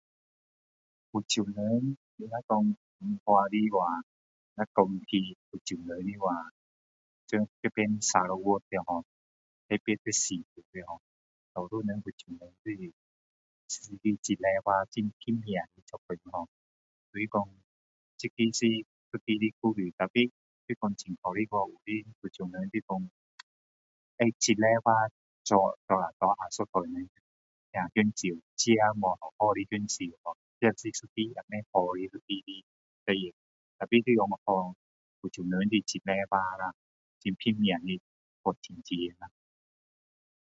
福州人， 你那说文化的话，那讲起福州人的话，这边砂劳越的话哦，特别在诗巫的哦，大多人，福州人都是很勤劳，很拼命做工哦。所以说，这个是一个的故事，但是，就讲很可惜有的福州人就说，会很勤劳做，做了给下一辈人享受，自己没有好好的享受。这是一个也不好的一个事情，但是就说福州人是很勤劳啦，很拼命的去赚钱。